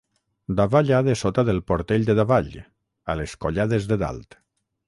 Davalla de sota del Portell de Davall, a les Collades de Dalt.